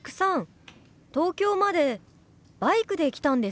東京までバイクで来たんですか？